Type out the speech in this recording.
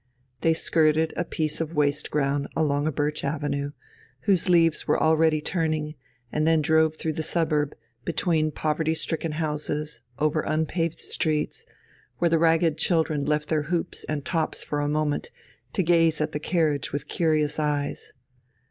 They skirted a piece of waste ground along a birch avenue, whose leaves were already turning, and then drove through the suburb, between poverty stricken houses, over unpaved streets, where the ragged children left their hoops and tops for a moment to gaze at the carriage with curious eyes.